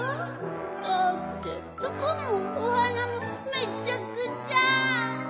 「だってふくもお花もめちゃくちゃ」